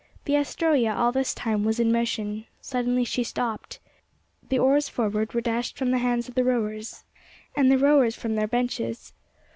The Astroea all this time was in motion. Suddenly she stopped. The oars forward were dashed from the hands of the rowers, and the rowers from their benches.